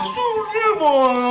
sun ya bohong